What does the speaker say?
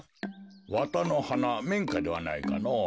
わたのはなめんかではないかのぉ。